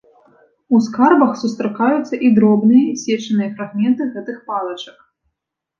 У скарбах сустракаюцца і дробныя, сечаныя фрагменты гэтых палачак.